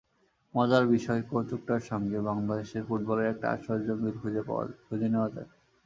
মজার বিষয়, কৌতুকটার সঙ্গে বাংলাদেশের ফুটবলের একটা আশ্চর্য মিল খুঁজে নেওয়া যায়।